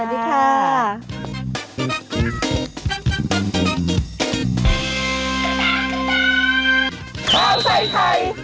สวัสดีค่ะ